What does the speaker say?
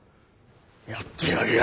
やってやるよ。